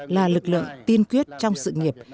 là lực lượng tiên quyết trong sự nghiệp